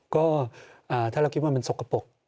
ก็ถ้าเรามีบางมันโสกกระปก